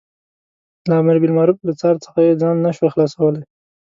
له امر بالمعروف له څار څخه یې ځان نه شوای خلاصولای.